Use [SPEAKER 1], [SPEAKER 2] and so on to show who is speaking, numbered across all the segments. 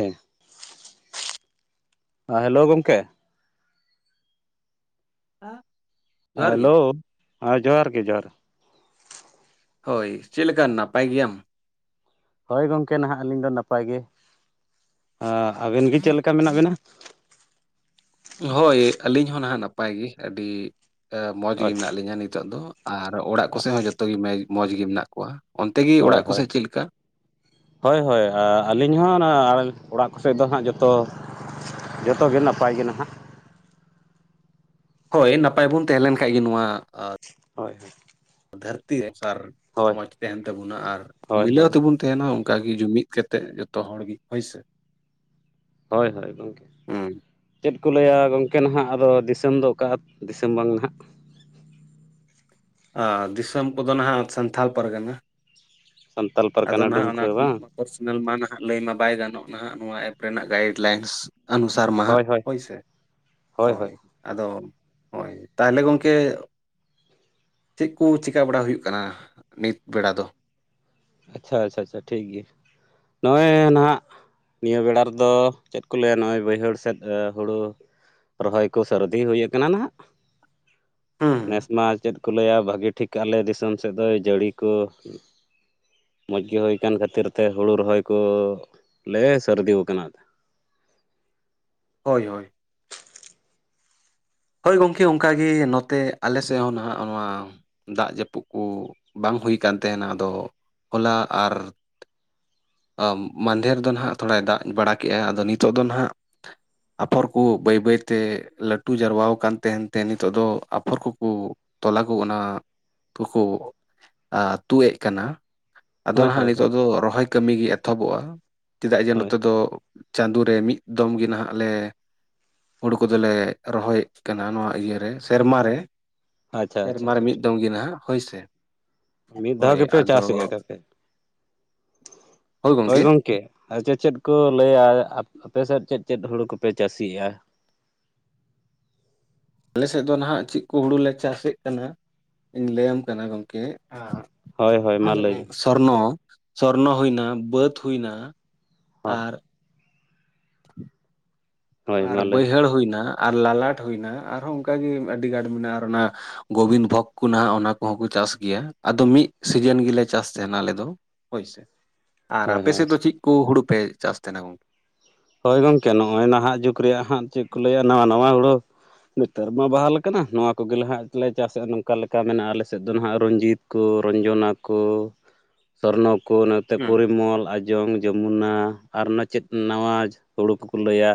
[SPEAKER 1] ᱦᱮᱸ, ᱦᱮ ᱦᱮᱞᱳ ᱜᱚᱝᱠᱮ ᱾
[SPEAKER 2] ᱦᱮᱸ ᱾
[SPEAKER 1] ᱦᱮᱞᱳ! ᱦᱮᱸ ᱡᱚᱦᱟᱨ ᱜᱮ ᱡᱚᱦᱟᱨ ᱾
[SPEAKER 2] ᱦᱳᱭ, ᱪᱮᱫᱞᱮᱠᱟ ᱱᱟᱯᱟᱭ ᱜᱮᱭᱟᱢ?
[SPEAKER 1] ᱦᱳᱭ ᱜᱚᱝᱠᱮ ᱱᱟᱦᱟᱜ ᱟᱹᱞᱤᱧ ᱫᱚ ᱱᱟᱯᱟᱭ ᱜᱮ, ᱟᱸ ᱟᱵᱮᱱ ᱜᱮ ᱪᱮᱜ ᱞᱮᱠᱟ ᱢᱮᱱᱟᱜ ᱵᱮᱱᱟ?
[SPEAKER 2] ᱦᱳᱭ ᱟᱹᱞᱤᱧ ᱦᱚᱸ ᱱᱟᱦᱟᱜ ᱱᱟᱯᱟᱭ ᱜᱮ ᱟᱹᱰᱤ ᱢᱚᱡᱽ ᱜᱮ
[SPEAKER 1] ᱦᱳᱭ
[SPEAKER 2] ᱢᱮᱱᱟᱜ ᱞᱤᱧᱟᱹ ᱱᱤᱛᱚᱜ ᱫᱚ ᱾ ᱟᱨ ᱚᱲᱟᱜ ᱠᱚᱥᱮᱜ ᱦᱚᱸ ᱡᱚᱛᱚ ᱜᱮ ᱢᱮᱡ ᱢᱚᱡᱽ ᱜᱮ ᱢᱮᱱᱟᱜ ᱠᱚᱣᱟ ᱾ ᱚᱱᱛᱮ ᱜᱮ
[SPEAKER 1] ᱦᱳᱭ
[SPEAKER 2] ᱚᱲᱟᱜ
[SPEAKER 1] ᱦᱳᱭ
[SPEAKER 2] ᱠᱚᱥᱮᱜ ᱪᱮᱫ ᱞᱮᱠᱟ?
[SPEAKER 1] ᱦᱳᱭ ᱦᱳᱭ ᱟᱹᱞᱤᱧ ᱦᱚᱸ ᱚᱱᱟ ᱚᱲᱟᱜ ᱠᱚᱥᱮᱡ ᱫᱚ ᱦᱟᱸᱜ ᱡᱚᱛᱚ ᱡᱚᱛᱚᱜᱮ ᱱᱟᱯᱟᱭ ᱜᱮ ᱱᱟᱦᱟᱜ ᱾
[SPEAKER 2] ᱦᱳᱭ ᱱᱟᱯᱟᱭ ᱵᱚᱱ ᱛᱟᱦᱮᱸ ᱞᱮᱱ ᱠᱷᱟᱡ ᱜᱮ ᱱᱚᱣᱟ
[SPEAKER 1] ᱦᱳᱭ ᱦᱳᱭ ᱾
[SPEAKER 2] ᱫᱷᱟᱹᱨᱛᱤ ᱨᱮ ᱥᱟᱨ ᱢᱚᱸᱡᱽ ᱛᱮᱦᱮᱱ ᱛᱟᱵᱚᱱᱟ ᱟᱨ
[SPEAKER 1] ᱦᱳᱭ
[SPEAKER 2] ᱢᱤᱞᱟᱹᱣ
[SPEAKER 1] ᱦᱳᱭ
[SPEAKER 2] ᱛᱮᱵᱚᱱ ᱛᱮᱦᱮᱱᱟ ᱚᱝᱠᱟ ᱜᱮ ᱡᱩᱢᱤᱫ ᱠᱟᱛᱮᱜ ᱡᱚᱛᱚ ᱦᱚᱲ ᱜᱮ ᱦᱳᱭᱥᱮ ᱾
[SPEAKER 1] ᱦᱳᱭ, ᱦᱳᱭ, ᱜᱚᱝᱠᱮ
[SPEAKER 2] ᱦᱩᱸ
[SPEAKER 1] ᱾ ᱪᱮᱫ ᱠᱚ ᱞᱟᱹᱭᱟ ᱜᱚᱝᱠᱮ ᱱᱟᱦᱟᱜ ᱟᱫᱚ ᱫᱤᱥᱚᱢ ᱫᱚ ᱚᱠᱟ ᱫᱤᱥᱚᱢ ᱵᱟᱝ ᱱᱟᱦᱟᱜ?
[SPEAKER 2] ᱟᱸ ᱫᱤᱥᱟᱹᱢ ᱠᱚᱫᱚ ᱱᱟᱦᱟᱸᱜ ᱥᱟᱱᱛᱷᱟᱞ ᱯᱟᱨᱜᱟᱱᱟ
[SPEAKER 1] ᱥᱟᱱᱛᱟᱞ
[SPEAKER 2] ᱟᱫᱚ
[SPEAKER 1] ᱯᱟᱨᱜᱟᱱᱟ
[SPEAKER 2] ᱱᱟᱦᱟᱸᱜ ᱚᱱᱟ
[SPEAKER 1] ᱰᱩᱢᱠᱟᱹ ᱵᱟᱝ
[SPEAKER 2] [inaudible] ᱯᱟᱨᱥᱚᱱᱟᱞ ᱢᱟ ᱱᱟᱦᱟᱸᱜ ᱞᱟᱹᱭ ᱢᱟ ᱵᱟᱭ ᱜᱟᱱᱚᱜ ᱱᱟᱦᱟᱸᱜ ᱱᱚᱣᱟ ᱮᱯ ᱨᱮᱱᱟᱜ ᱜᱟᱭᱤᱰ ᱞᱟᱭᱤᱱᱥ᱾ ᱟᱱᱩᱥᱟᱨ ᱢᱟᱦᱟᱸᱜ ᱦᱳᱭ ᱥᱮ ᱦᱳᱭ᱾ ᱟᱫᱚ ᱦᱳᱭ ᱛᱟᱦᱚᱞᱮ ᱜᱚᱝᱠᱮ ᱪᱮᱜ ᱠᱩ ᱪᱮᱠᱟ ᱵᱟᱲᱟ ᱦᱩᱭᱩᱜ ᱠᱟᱱᱟ ᱱᱤᱛ ᱵᱮᱲᱟ ᱫᱚ?
[SPEAKER 1] ᱟᱪᱪᱷᱟ ᱟᱪᱪᱷᱟ ᱟᱪᱪᱷᱟ ᱴᱷᱤᱠ ᱜᱮᱭᱟ ᱱᱚᱜᱼᱚᱭ ᱱᱟᱦᱱᱟᱜ ᱱᱤᱭᱟᱹ ᱵᱮᱲᱟ ᱨᱮᱫᱚ ᱪᱮᱫ ᱠᱚ ᱞᱮᱭᱟ ᱱᱚᱜᱼᱚᱭ ᱵᱟᱹᱭᱦᱟᱹᱲ ᱥᱮᱫ ᱦᱩᱲᱩ ᱨᱚᱦᱚᱭ ᱠᱚ ᱥᱟᱨᱫᱤ ᱦᱩᱭ ᱠᱟᱱᱟ ᱱᱟᱦᱟᱸᱜ᱾ ᱱᱮᱥ
[SPEAKER 2] ᱦᱩᱸ
[SPEAKER 1] ᱢᱟ ᱪᱮᱫ ᱠᱚ ᱞᱮᱭᱟ ᱵᱷᱟᱹᱜᱤ ᱴᱷᱤᱠ ᱟᱞᱮ ᱫᱤᱥᱟᱹᱢ ᱥᱮᱫ ᱫᱚᱭ ᱡᱟᱹᱲᱤ ᱠᱚ ᱢᱚᱡᱽᱜᱮ ᱦᱩᱭ ᱠᱟᱱ ᱠᱷᱟᱹᱛᱤᱨᱛᱮ ᱦᱩᱲᱩ ᱨᱚᱦᱚᱭ ᱠᱚ ᱞᱮ ᱥᱟᱹᱨᱫᱤᱣ ᱠᱟᱱᱟ ᱟᱫᱚ᱾
[SPEAKER 2] ᱦᱳᱭ ᱦᱳᱭ, ᱦᱳᱭ ᱜᱚᱝᱠᱮ ᱚᱝᱠᱟᱜᱮ ᱱᱚᱛᱮ ᱟᱞᱮ ᱥᱮᱜ ᱦᱚᱸ ᱱᱟᱦᱟᱸᱜ ᱱᱚᱣᱟ ᱫᱟᱜᱽ ᱡᱟᱹᱯᱩᱜ ᱠᱩ ᱵᱟᱝ ᱦᱩᱭ ᱠᱟᱱ ᱛᱟᱦᱮᱸᱱᱟ ᱟᱫᱚ ᱦᱚᱞᱟ ᱟᱨ ᱢᱟᱸᱫᱷᱮᱨ ᱫᱚ ᱱᱟᱦᱟᱸᱜ ᱛᱷᱚᱲᱟᱭ ᱫᱟᱜᱽ ᱵᱟᱲᱟ ᱠᱮᱜᱼᱟ ᱟᱫᱚ ᱱᱤᱛᱚᱜ ᱫᱚ ᱱᱟᱦᱟᱸᱜ ᱟᱯᱷᱚᱨ ᱠᱩ ᱵᱟᱹᱭ ᱵᱟᱹᱭᱛᱮ ᱞᱟᱹᱴᱩ ᱡᱟᱨᱣᱟᱣ ᱠᱟᱱ ᱛᱮᱦᱮᱸᱱ ᱛᱮ ᱱᱤᱛᱚᱜ ᱫᱚ ᱟᱯᱷᱚᱨ ᱠᱩᱠᱩ ᱛᱚᱞᱟ ᱠᱩ ᱚᱱᱟ ᱠᱚᱠᱚ ᱟ ᱛᱩᱜᱼᱮᱜ ᱠᱟᱱᱟ᱾ ᱟᱫᱚ
[SPEAKER 1] ᱦᱳᱭ
[SPEAKER 2] ᱱᱟᱦᱟᱸᱜ
[SPEAKER 1] ᱦᱳᱭ
[SPEAKER 2] ᱱᱤᱛᱚᱜ ᱫᱚ ᱨᱚᱦᱚᱭ ᱠᱟᱹᱢᱤ ᱜᱮ ᱮᱛᱚᱦᱚᱵᱚᱜᱼᱟ ᱪᱮᱫᱟᱜ ᱡᱮ
[SPEAKER 1] ᱦᱳᱭ
[SPEAKER 2] ᱱᱚᱛᱮ ᱫᱚ ᱪᱟᱸᱫᱳ ᱨᱮ ᱢᱤᱫ ᱫᱚᱢ ᱜᱮ ᱱᱟᱦᱟᱸᱜ ᱞᱮ ᱦᱩᱲᱩ ᱠᱚᱫᱚᱞᱮ ᱨᱚᱦᱚᱭᱮᱜ ᱠᱟᱱᱟ ᱱᱚᱣᱟ ᱤᱭᱟᱹᱨᱮ ᱥᱮᱨᱢᱟ ᱨᱮ᱾
[SPEAKER 1] ᱟᱪᱪᱷᱟ ᱟᱪᱪᱷᱟ
[SPEAKER 2] ᱥᱮᱨᱢᱟ ᱨᱮ
[SPEAKER 1] ᱟᱪᱪᱷᱟ
[SPEAKER 2] ᱢᱤᱜ
[SPEAKER 1] ᱴᱷᱤᱠ
[SPEAKER 2] ᱫᱚᱝ ᱜᱮ ᱱᱟᱦᱟᱸᱜ ᱦᱳᱭ ᱥᱮ᱾
[SPEAKER 1] ᱢᱤᱫ ᱫᱷᱟᱣ
[SPEAKER 2] ᱦᱳᱭ
[SPEAKER 1] ᱜᱮᱯᱮ ᱪᱟᱥᱮᱫᱼᱟ
[SPEAKER 2] ᱟᱫᱚ
[SPEAKER 1] ᱠᱟᱛᱮ
[SPEAKER 2] ᱦᱳᱭ ᱜᱚᱝᱠᱮ,
[SPEAKER 1] ᱟᱪᱪᱷᱟ ᱪᱮᱫ ᱠᱚ ᱞᱮᱭᱟ ᱟᱯ ᱟᱯᱮ ᱥᱮᱫ ᱪᱮᱫ ᱪᱮᱫ ᱦᱩᱲᱩ ᱠᱚᱯᱮ ᱪᱟᱥ ᱜᱮᱭᱟ?
[SPEAKER 2] ᱟᱞᱮᱥᱮᱫ ᱫᱚ ᱱᱟᱦᱟᱸᱜ ᱪᱤᱜ ᱠᱩ ᱦᱩᱲᱩ ᱞᱮ ᱪᱟᱥᱮᱜ ᱠᱟᱱᱟ ᱤᱧ ᱞᱮᱭᱟᱢ ᱠᱟᱱᱟ ᱜᱚᱝᱠᱮ ᱟᱸᱜ
[SPEAKER 1] ᱦᱳᱭ ᱦᱳᱭ ᱢᱟ
[SPEAKER 2] ᱟᱫᱚ
[SPEAKER 1] ᱞᱟᱹᱭ
[SPEAKER 2] ᱢᱤᱜ
[SPEAKER 1] ᱵᱮᱱ
[SPEAKER 2] ᱥᱚᱨᱱᱚ ᱥᱚᱨᱱᱚ ᱦᱩᱭᱱᱟ ᱵᱟᱹᱫᱽ ᱦᱩᱭᱱᱟ
[SPEAKER 1] ᱦᱳᱭ
[SPEAKER 2] ᱟᱨ
[SPEAKER 1] ᱦᱳᱭ
[SPEAKER 2] ᱟᱨ
[SPEAKER 1] ᱢᱟ ᱞᱟᱹᱭ ᱵᱮᱱ
[SPEAKER 2] ᱵᱟᱹᱭᱦᱟᱹᱲ ᱦᱩᱭᱱᱟ ᱟᱨ ᱞᱟᱞᱟᱴ ᱦᱩᱭᱱᱟ ᱟᱨᱦᱚᱸ ᱚᱝᱠᱟᱜᱮ ᱟᱹᱰᱤ ᱜᱟᱴ ᱢᱮᱱᱟᱜᱼᱟ ᱟᱨ ᱚᱱᱟ, ᱜᱳᱵᱤᱱ ᱵᱷᱳᱜᱽ ᱠᱩ ᱱᱟᱦᱟᱸᱜ ᱚᱱᱟ ᱠᱚᱦᱚᱸ ᱠᱚ ᱪᱟᱥ ᱜᱮᱭᱟ ᱟᱫᱚ ᱢᱤᱜ ᱥᱤᱡᱮᱱ ᱜᱮᱞᱮ ᱪᱟᱥ ᱛᱟᱦᱮᱸᱱᱟ ᱟᱞᱮ ᱫᱚ᱾ ᱦᱳᱭᱥᱮ ᱟᱨ
[SPEAKER 1] ᱦᱳᱭ
[SPEAKER 2] ᱟᱯᱮ ᱥᱮᱫ ᱫᱚ
[SPEAKER 1] ᱦᱳᱭ
[SPEAKER 2] ᱪᱤᱜ ᱠᱩ ᱦᱩᱲᱩ ᱯᱮ ᱪᱟᱥ ᱛᱟᱦᱮᱸᱱᱟ ᱜᱚᱝᱠᱮ?
[SPEAKER 1] ᱦᱳᱭ ᱜᱚᱝᱠᱮ ᱱᱚᱜᱼᱚᱭ ᱱᱟᱦᱟᱸᱜ ᱡᱩᱜᱽ ᱨᱮᱭᱟᱜ ᱦᱟᱸᱜ ᱪᱮᱜ ᱠᱚ ᱞᱟᱹᱭᱟ ᱱᱚᱣᱟ ᱱᱟᱣᱟ ᱦᱩᱲᱩ ᱱᱮᱛᱟᱨ ᱢᱟ ᱵᱟᱦᱟᱞ ᱠᱟᱱᱟ ᱱᱚᱣᱟ ᱠᱚᱜᱮ ᱞᱮᱦᱟᱸᱜ ᱞᱮ ᱪᱟᱥᱮᱜᱼᱟ ᱱᱚᱝᱠᱟ ᱞᱮᱠᱟ ᱢᱮᱱᱟᱜᱼᱟ ᱟᱞᱮᱥᱮᱜ ᱫᱚ ᱱᱟᱦᱟᱸᱜ ᱨᱚᱧᱡᱤᱛ ᱠᱚ ᱨᱚᱧᱡᱚᱱᱟ ᱠᱚ ᱥᱚᱨᱱᱚ ᱠᱚ ᱚᱱᱟ ᱛᱮ
[SPEAKER 2] ᱦᱩᱸ
[SPEAKER 1] ᱯᱚᱨᱤᱢᱚᱞ ᱟᱸᱡᱚᱝ ᱡᱚᱢᱩᱱᱟ ᱟᱨ ᱚᱱᱟ ᱪᱮᱫ ᱱᱟᱣᱟᱡ ᱦᱩᱲᱩ ᱠᱚᱠᱚ ᱞᱟᱹᱭᱟ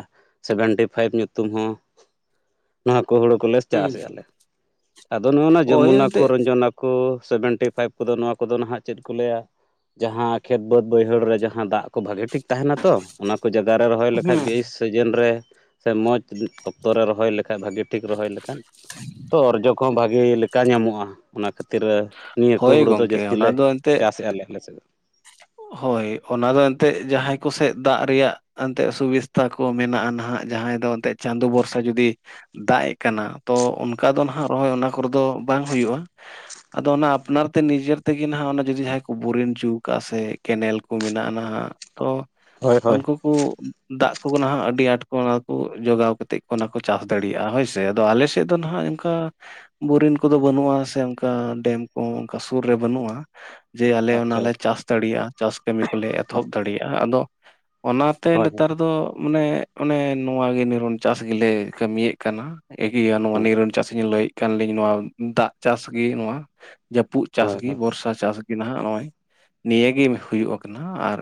[SPEAKER 1] ᱥᱮᱵᱷᱮᱱᱴᱤ ᱯᱷᱟᱭᱤᱵᱽ ᱧᱩᱛᱩᱢ ᱦᱚᱸ᱾ ᱱᱚᱣᱟ ᱠᱚ ᱦᱩᱲᱩ ᱠᱚᱞᱮ
[SPEAKER 2] ᱦᱩᱸ
[SPEAKER 1] ᱪᱟᱥᱮᱜᱼᱟ ᱞᱮ ᱟᱫᱚ ᱱᱚᱜ-ᱚᱱᱟ
[SPEAKER 2] ᱳᱭ
[SPEAKER 1] ᱡᱚᱢᱩᱱᱟ ᱠᱚ
[SPEAKER 2] ᱮᱱᱛᱮᱫ
[SPEAKER 1] ᱨᱚᱡᱚᱱᱟ ᱠᱚ ᱥᱮᱵᱷᱮᱱᱴᱤ ᱯᱷᱟᱭᱤᱵᱽ ᱠᱚᱫᱚ ᱱᱚᱣᱟ ᱠᱚᱫᱚ ᱱᱟᱦᱟᱸᱜ ᱪᱮᱫ ᱠᱚ ᱞᱟᱹᱭᱟ, ᱡᱟᱦᱟᱸ ᱠᱷᱮᱛ ᱵᱟᱹᱫᱽ ᱵᱟᱹᱭᱦᱟᱹᱲ ᱨᱮ ᱡᱟᱦᱟᱸ ᱫᱟᱜᱽ ᱠᱚ ᱵᱷᱟᱜᱮ ᱴᱷᱤᱠ ᱛᱟᱦᱮᱸᱱᱟ ᱛᱚ ᱚᱱᱟ ᱠᱚ ᱡᱟ [inaudible] ᱨᱚᱦᱚᱭ ᱞᱮᱠᱷᱟᱭ
[SPEAKER 2] ᱦᱩᱸ
[SPEAKER 1] ᱵᱮᱥ ᱥᱮᱡᱮᱱ ᱨᱮ ᱥᱮ ᱢᱚᱡᱽ ᱚᱠᱛᱚ ᱨᱮ ᱨᱚᱦᱚᱭ ᱞᱮᱠᱷᱟᱭ ᱵᱷᱟᱜᱮ ᱴᱷᱤᱠ ᱨᱚᱦᱚᱭ ᱞᱮᱠᱷᱟᱱ ᱛᱚ ᱚᱨᱡᱚ ᱠᱚᱦᱚᱸ ᱵᱷᱟᱜᱮ ᱞᱮᱠᱟ ᱧᱟᱢᱚᱜᱼᱟ ᱚᱱᱟ ᱠᱷᱟᱹᱛᱤᱨ ᱨᱮ ᱱᱤᱭᱟᱹ ᱠᱚ
[SPEAKER 2] ᱦᱳᱭ
[SPEAKER 1] ᱦᱩᱲᱩ ᱫᱚ
[SPEAKER 2] ᱜᱚᱝᱠᱮ
[SPEAKER 1] ᱡᱟᱹᱥᱛᱤ
[SPEAKER 2] ᱚᱱᱟ
[SPEAKER 1] ᱞᱮ
[SPEAKER 2] ᱫᱚ ᱮᱱᱛᱮᱫ
[SPEAKER 1] ᱪᱟᱥᱮ ᱟᱞᱮ ᱟᱞᱮ ᱥᱮᱜ ᱫᱚ᱾
[SPEAKER 2] ᱦᱳᱭ ᱚᱱᱟ ᱫᱚ ᱮᱱᱛᱮᱜ ᱡᱟᱦᱟᱸᱭ ᱠᱚᱥᱮᱜ ᱫᱟᱜᱽ ᱨᱮᱭᱟᱜ ᱮᱱᱛᱮᱜ ᱥᱩᱵᱤᱥᱛᱟ ᱠᱚ ᱢᱮᱱᱟᱜᱼᱟ ᱱᱟᱦᱟᱸᱜ ᱡᱟᱦᱟᱸᱭ ᱫᱚ ᱮᱱᱛᱮᱜ ᱪᱟᱸᱫᱚ ᱵᱷᱚᱨᱥᱟ ᱡᱩᱫᱤ ᱫᱟᱜᱽ ᱮᱜ ᱠᱟᱱᱟ ᱛᱚ ᱚᱱᱠᱟ ᱫᱚ ᱱᱟᱦᱟᱸᱜ ᱨᱚᱦᱚᱭ ᱚᱱᱟ ᱠᱚᱨᱮ ᱫᱚ ᱵᱟᱝ ᱦᱩᱭᱩᱜᱼᱟ᱾ ᱟᱫᱚ ᱚᱱᱟ ᱟᱯᱱᱟᱨ ᱛᱮ ᱱᱤᱡᱮᱨ ᱛᱮᱜᱮ ᱱᱟᱦᱟᱸᱜ ᱚᱱᱟ ᱡᱩᱫᱤ ᱡᱟᱦᱟᱸᱭ ᱠᱚ ᱵᱩᱨᱤᱱᱪᱩ ᱚᱠᱟᱥᱮᱜ ᱠᱮᱱᱮᱞ ᱠᱩ ᱢᱮᱱᱟᱜᱼᱟ ᱱᱟᱦᱟᱸᱜ ᱛᱚ
[SPEAKER 1] ᱦᱳᱭ ᱦᱳᱭ
[SPEAKER 2] ᱩᱱᱠᱩ, ᱠᱩ ᱫᱟᱜ ᱠᱩ ᱱᱟᱦᱟᱜ ᱟᱹᱰᱤ ᱟᱸᱴ ᱠᱚ ᱚᱱᱟ ᱠᱩ ᱡᱚᱜᱟᱣ ᱠᱟᱛᱮ ᱠᱚ ᱚᱱᱟ ᱠᱚ ᱪᱟᱥ ᱫᱟᱲᱮᱭᱟᱜᱼᱟ ᱦᱳᱭ ᱥᱮ ᱾ ᱛᱮ ᱟᱫᱚ ᱟᱞᱮ ᱥᱮᱜ ᱫᱚ ᱱᱟᱦᱟᱜ ᱚᱱᱠᱟ ᱵᱩᱨᱤᱱ ᱠᱚᱫᱚ ᱵᱟᱹᱱᱩᱜᱼᱟ ᱥᱮ ᱚᱱᱠᱟ ᱰᱮᱢ ᱠᱚ ᱚᱱᱠᱟ ᱥᱩᱨ ᱨᱮ ᱵᱟᱹᱱᱩᱜᱼᱟ ᱡᱮ, ᱟᱞᱮ
[SPEAKER 1] ᱟᱪᱪᱷᱟ
[SPEAKER 2] ᱚᱱᱟᱞᱮ ᱪᱟᱥ ᱫᱟᱲᱮᱭᱟᱜᱼᱟ ᱪᱟᱥ ᱠᱟᱹᱢᱤ ᱠᱚᱞᱮ ᱮᱛᱚᱦᱚᱵ ᱫᱟᱲᱮᱭᱟᱜᱼᱟ ᱟᱫᱚ ᱚᱱᱟᱛᱮ
[SPEAKER 1] ᱦᱳᱭ ᱦᱳᱭ
[SPEAKER 2] ᱱᱮᱛᱟᱨ ᱫᱚ ᱢᱟᱱᱮ ᱚᱱᱮ ᱱᱚᱣᱟᱜᱮ ᱱᱤᱨᱚᱱ ᱪᱟᱥ ᱜᱮᱞᱮ ᱠᱟᱹᱢᱤᱭᱮᱜ ᱠᱟᱱᱟ᱾ ᱤᱜᱤᱭᱟ ᱱᱚᱣᱟ
[SPEAKER 1] ᱦᱳᱭ
[SPEAKER 2] ᱱᱤᱨᱚᱱ ᱪᱟᱥᱤᱧ ᱞᱟᱹᱭᱮᱫ ᱠᱟᱱᱞᱤᱧ ᱱᱚᱣᱟ ᱫᱟᱜ ᱪᱟᱥ ᱜᱮ ᱱᱚᱣᱟ ᱡᱟᱹᱯᱩᱫ
[SPEAKER 1] ᱦᱳᱭ
[SPEAKER 2] ᱪᱟᱥᱜᱤ
[SPEAKER 1] ᱦᱳᱭ
[SPEAKER 2] ᱵᱚᱨᱥᱟ ᱪᱟᱥ ᱜᱤ ᱱᱟᱦᱟᱜ ᱱᱚᱜᱼᱚᱭ ᱱᱤᱭᱟᱹ ᱜᱤ ᱦᱩᱭᱩᱜᱚᱜ ᱱᱟᱦᱟᱸᱜ ᱟᱨ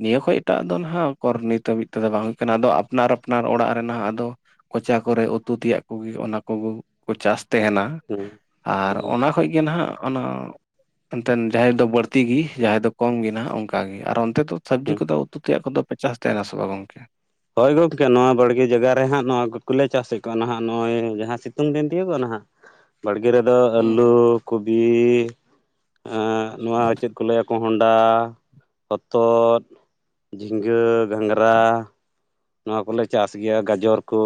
[SPEAKER 2] ᱱᱤᱭᱟᱹ ᱠᱷᱚᱡ ᱮᱴᱟᱜ ᱟᱜ ᱫᱚ ᱱᱟᱦᱟᱜ ᱚᱠᱚᱨ ᱱᱤᱛ ᱦᱟᱹᱵᱤᱜ ᱛᱮᱫᱚ ᱵᱟᱝ ᱠᱟᱱᱟ ᱟᱫᱚ ᱟᱯᱱᱟᱨ ᱟᱯᱱᱟᱨ ᱚᱲᱟᱜ ᱨᱮ ᱟᱫᱚ ᱠᱚᱪᱟ ᱠᱚᱨᱮ ᱩᱛᱩ ᱛᱮᱭᱟᱜ ᱠᱩᱜᱮ ᱚᱱᱟ ᱠᱩᱜᱮ ᱠᱚ ᱪᱟᱥ ᱛᱮᱦᱮᱱᱟ
[SPEAKER 1] ᱦᱮᱦ ᱾
[SPEAKER 2] ᱟᱨ ᱚᱱᱟ ᱠᱷᱚᱡ ᱜᱮ ᱱᱟᱦᱟᱜ ᱚᱱᱟ ᱮᱱᱛᱮᱱ ᱡᱟᱦᱟᱭ ᱫᱚ ᱵᱟᱹᱲᱛᱤ ᱜᱤ ᱡᱟᱦᱟᱸᱭ ᱫᱚ ᱠᱚᱢ ᱜᱮ ᱱᱟᱦᱟᱜ ᱚᱱᱠᱟᱜ ᱜᱮ ᱟᱨ ᱚᱱᱛᱮ ᱫᱚ ᱥᱚᱵᱽᱡᱤ ᱠᱚᱫᱚ ᱩᱛᱩ ᱛᱮᱭᱟᱜ ᱠᱚᱫᱚ ᱯᱮ ᱪᱟᱥ ᱛᱟᱦᱮᱱᱟ ᱥᱮ ᱵᱟᱝ ᱜᱚᱝᱠᱮ?
[SPEAKER 1] ᱦᱳᱭ ᱜᱚᱝᱠᱮ ᱱᱚᱣᱟ ᱵᱟᱹᱲᱤᱡ - ᱤᱭᱟᱹ ᱡᱟᱭᱜᱟ ᱨᱮ ᱦᱟᱸᱜ ᱱᱚᱣᱟ ᱠᱩᱠᱞᱟᱹ ᱪᱟᱥ ᱦᱳᱭᱳᱜ ᱠᱚᱣᱟ ᱱᱟᱦᱟᱜ ᱱᱚᱜᱼᱚᱭ ᱡᱟᱦᱟᱸ ᱥᱤᱛᱩᱝ ᱫᱤᱱ ᱛᱤᱭᱳᱜᱚᱜᱼᱟ ᱱᱟᱦᱟᱜ ᱵᱟᱲᱜᱮ ᱨᱮᱫᱚ ᱟᱹᱞᱩ
[SPEAKER 2] ᱦᱩᱸ
[SPEAKER 1] ᱠᱚᱵᱤ ᱱᱚᱣᱟ ᱪᱮᱫ ᱠᱚ ᱞᱟᱹᱭᱟ ᱠᱚᱦᱚᱸᱰᱟ, ᱦᱚᱛᱚᱫ, ᱡᱷᱤᱸᱜᱟᱹ ᱜᱷᱟᱝᱜᱽᱨᱟ ᱱᱚᱣᱟ ᱠᱚᱞᱮ ᱪᱟᱥ ᱜᱮᱭᱟ ᱜᱟᱡᱚᱨ ᱠᱚ